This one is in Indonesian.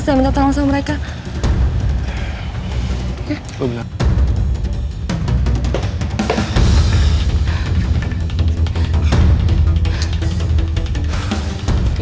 lanjut pake buat